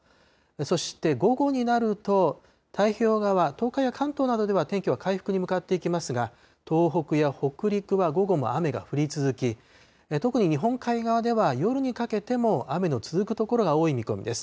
そして午後になると、太平洋側、東海や関東などでは天気は回復に向かっていきますが、東北や北陸は午後も雨が降り続き、特に日本海側では夜にかけても雨の続く所が多い見込みです。